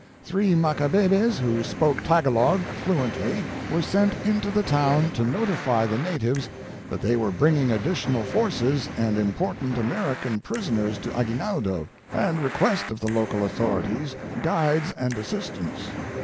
Three Macabebes, who spoke Tagalog fluently, were sent into the town to notify the na tives that they were bringing additional forces and important American prisoners to Aguinaldo, and request of the local authorities guides and assistance.